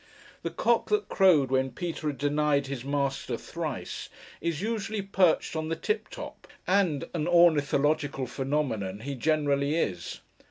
The cock that crowed when Peter had denied his Master thrice, is usually perched on the tip top; and an ornithological phenomenon he generally is.